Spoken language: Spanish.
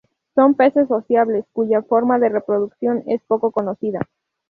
Son peces sociables, cuya forma de reproducción es poco conocida.